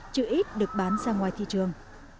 chứ ít được bán sang ngoài thị trường